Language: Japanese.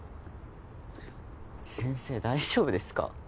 先生大丈夫ですか？